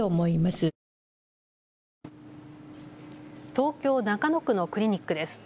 東京中野区のクリニックです。